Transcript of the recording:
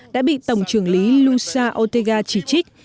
đã bị tổng trưởng lý lucia ortega chỉ trích